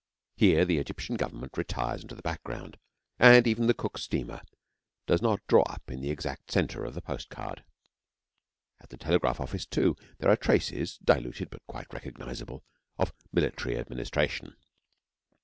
Here the Egyptian Government retires into the background, and even the Cook steamer does not draw up in the exact centre of the postcard. At the telegraph office, too, there are traces, diluted but quite recognisable, of military administration.